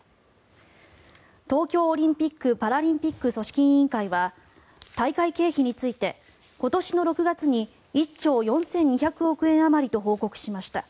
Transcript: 東京オリンピック・パラリンピック組織委員会は大会経費について今年の６月に１兆４２００億円あまりと報告しました。